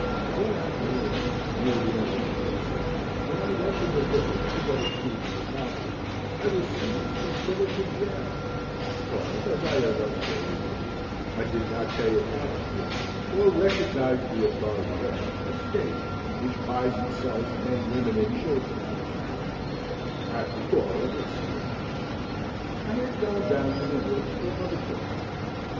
One afternoon, near the end of the first summer, when I went to the village to get a shoe from the cobbler's, I was seized and put into jail, because, as I have elsewhere related, I did not pay a tax to, or recognize the authority of, the state which buys and sells men, women, and children, like cattle at the door of its senate house. I had gone down to the woods for other purposes.